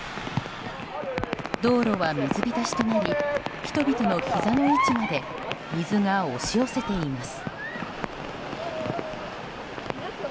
道路は水浸しとなり人々のひざの位置まで水が押し寄せています。